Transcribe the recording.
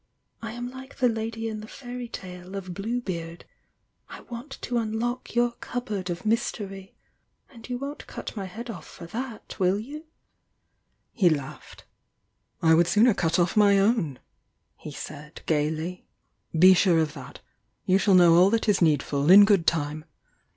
I am like the lady m the fairy tale of 'Blue Beard' 1 want to unlock your cupboard of mystery! And you won t cut my head off for that, will you'" 100 THE YOUNG DIANA ^1 ,11 He laughed. "I would 80oner cut off my own!" he said, gaily. "Be sure of that! You shall know all that is need ful, in good tune!